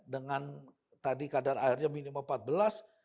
dengan tadi kadar airnya minimal empat belas